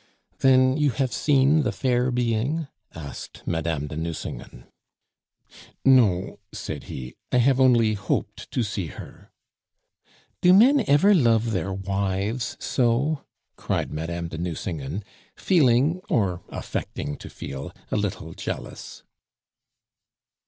"Then you have seen the fair being?" asked Madame de Nucingen. "No," said he; "I have only hoped to see her." "Do men ever love their wives so?" cried Madame de Nucingen, feeling, or affecting to feel, a little jealous.